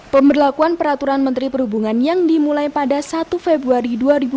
pemberlakuan peraturan menteri perhubungan yang dimulai pada satu februari dua ribu dua puluh